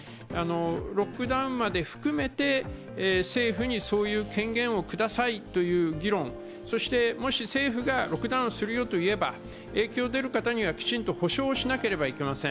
ロックダウンまで含めて政府にそういう権限をくださいという議論、そしてもし政府がロックダウンするよと言えば影響出る方にはきちんと補償しなければなりません。